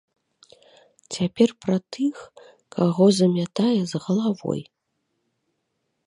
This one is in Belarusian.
Цяпер пра тых, каго замятае з галавой.